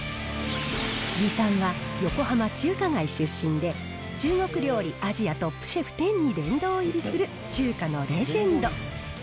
魏さんは横浜中華街出身で、中国料理アジアトップシェフ１０に殿堂入りする中華のレジェンド。